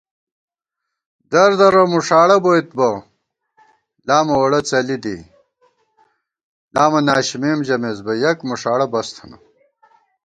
دردرہ مُݭاڑہ بوتیت بہ لامہ ووڑہ څَلی دِی * لامہ ناشِمېم ژَمېس بہ یَک مُݭاڑہ بس تھنہ